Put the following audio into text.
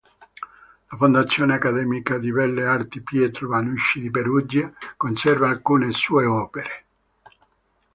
La Fondazione Accademia di Belle Arti Pietro Vannucci di Perugia conserva alcune sue opere.